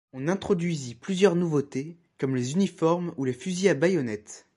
On introduisit plusieurs nouveautés, comme les uniformes ou les fusils à baïonnette.